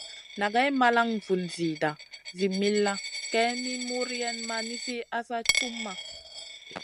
Nagay malan vun zida zi millàh, kay mi muriayn ma nizi asa cumʼma.